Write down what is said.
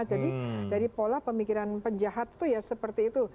jadi pola pemikiran penjahat itu ya seperti itu